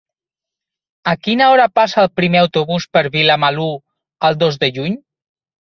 A quina hora passa el primer autobús per Vilamalur el dos de juny?